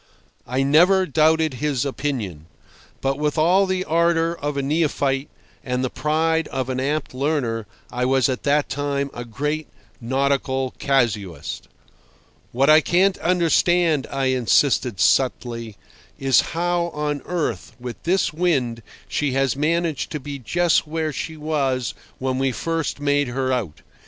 I never doubted his opinion. But with all the ardour of a neophyte and the pride of an apt learner I was at that time a great nautical casuist. "What I can't understand," I insisted subtly, "is how on earth, with this wind, she has managed to be just where she was when we first made her out.